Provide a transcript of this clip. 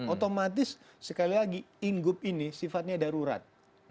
otomatis sekali lagi inggup ini sifatnya darurat